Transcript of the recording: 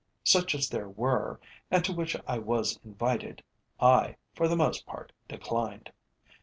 Such as there were, and to which I was invited, I, for the most part, declined.